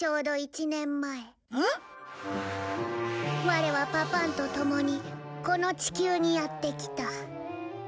ワレはパパンと共にこの地球にやって来た。